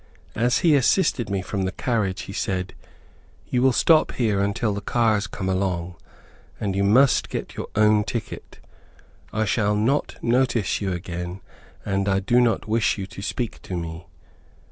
As he assisted me from the carriage he said, "You will stop here until the cars come along, and you must get your own ticket. I shall not notice you again, and I do not wish you to speak to me."